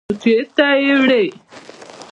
_نو چېرته يې وړې؟